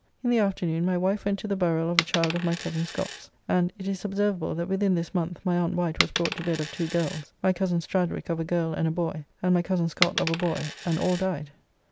In the afternoon my wife went to the burial of a child of my cozen Scott's, and it is observable that within this month my Aunt Wight was brought to bed of two girls, my cozen Stradwick of a girl and a boy, and my cozen Scott of a boy, and all died.